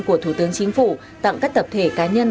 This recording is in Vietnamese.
của thủ tướng chính phủ tặng các tập thể cá nhân